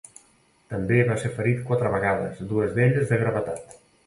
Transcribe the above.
També va ser ferit quatre vegades, dues d'elles de gravetat.